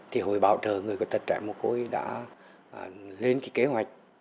thì hội bảo trợ người khuyết tật trẻ mồ côi đã lên cái kế hoạch